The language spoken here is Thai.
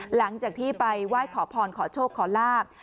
หลังจากที่ไปไหว้ขอพรขอโชคขอลาบ